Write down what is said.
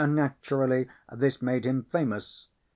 Naturally this made him famous.